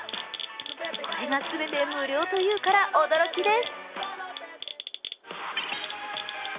これが全て無料というから驚きです。